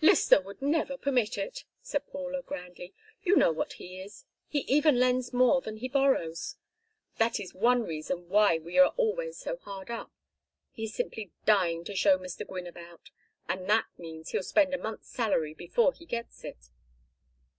"Lyster would never permit it," said Paula, grandly. "You know what he is he even lends more than he borrows; that is one reason why we are always so hard up. He is simply dying to show Mr. Gwynne about. And that means that he'll spend a month's salary before he gets it."